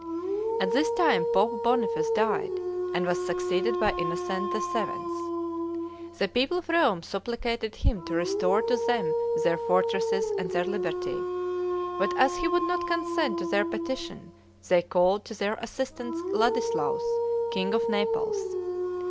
At this time Pope Boniface died, and was succeeded by Innocent VII. The people of Rome supplicated him to restore to them their fortresses and their liberty; but as he would not consent to their petition, they called to their assistance Ladislaus, king of Naples.